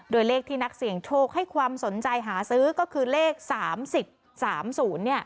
โดยเลขที่นักเสี่ยงโชคให้ความสนใจหาซื้อก็คือเลข๓๐๓๐เนี่ย